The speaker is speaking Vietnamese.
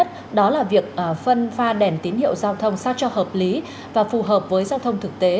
thời gian rất là lâu